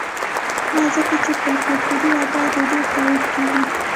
نه ځکه چې پر کلتوري ابعادو ډېر تاکید کېږي.